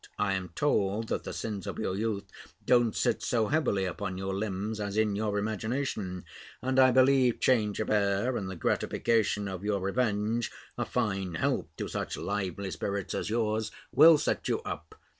I am told, that the sins of your youth don't sit so heavily upon your limbs, as in your imagination; and I believe change of air, and the gratification of your revenge, a fine help to such lively spirits as yours, will set you up.